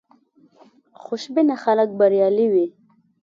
خوشبینه خلک بریالي وي.